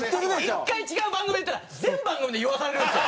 １回違う番組で言ったら全番組で言わされるんですよ